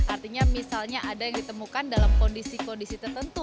artinya misalnya ada yang ditemukan dalam kondisi kondisi tertentu